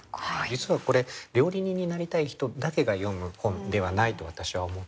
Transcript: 実はこれ料理人になりたい人だけが読む本ではないと私は思っていて。